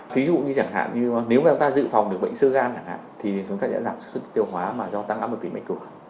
thí dụ như chẳng hạn nếu mà chúng ta dự phòng được bệnh sơ gan chẳng hạn thì chúng ta sẽ giảm xuất huyết tiêu hóa mà do tăng áp một tỷ mạch cổ